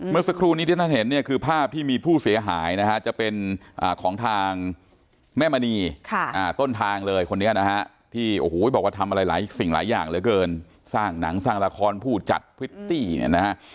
เมื่อสักครู่นี้ที่ท่านเห็นเนี่ยคือภาพที่มีผู้เสียหายนะฮะจะเป็นของทางแม่มณีต้นทางเลยคนนี้นะฮะที่โอ้โหบอกว่าทำอะไรหลายสิ่งหลายอย่างเหลือเกินสร้างหนังสร้างละครผู้จัดพริตตี้เนี่ยนะฮะ